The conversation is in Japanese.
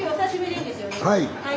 はい。